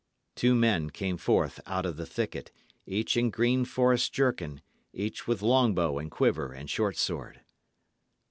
Two men came forth out of the thicket, each in green forest jerkin, each with long bow and quiver and short sword.